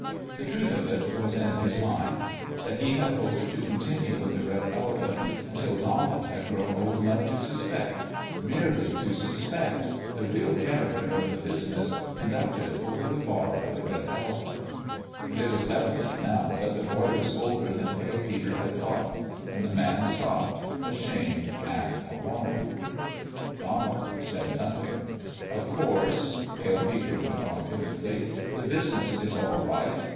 The truth of it was in his mind : that he had hoped to continue with the Red Elephant until Donald had grown old enough to suspect merely to suspect the real character of the business conducted over the bar of the Red Elephant ; but it was evident, now, THE END OF THE GAME 319 that the boy was older than Pale Peter had thought, and the man stopped, ashamed and alarmed. Donald said nothing. "Of course," Pale Peter went on, pitifully, "the business is all right.